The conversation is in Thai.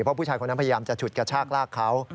เพราะผู้ชายคนนั้นพยายามจะฉุดกระชากลากเขา